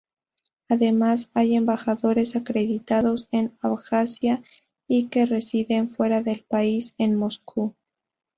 Además, hay embajadores acreditados en Abjasia y que residen fuera del país, en Moscú.